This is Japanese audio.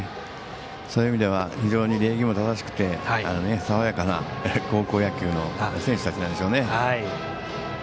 そういう意味では非常に礼儀も正しくて爽やかな高校野球の選手たちなんでしょうね。